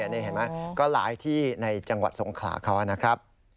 เห็นไหมก็หลายที่ในจังหวัดสงขลานะคะ